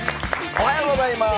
おはようございます。